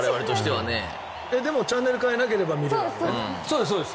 でもチャンネル変えなければ見れるわけだよね。